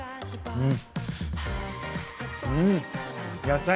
うん！